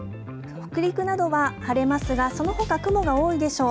北陸などは晴れますが、そのほか、雲が多いでしょう。